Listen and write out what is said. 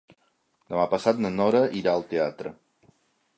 Demà passat na Nora irà al teatre.